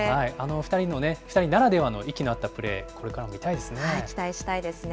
２人の、２人ならではの息の合ったプレー、これからも見たい期待したいですね。